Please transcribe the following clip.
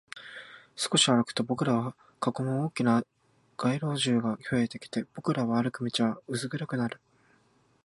少し歩くと、僕らを囲む大きな街路樹が増えてきて、僕らが歩く道は薄暗くなる